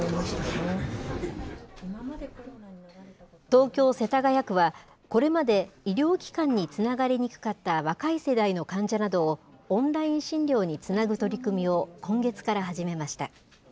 東京・世田谷区は、これまで医療機関につながりにくかった若い世代の患者などを、オンライン診療につなぐ取り組みを今月から始めました。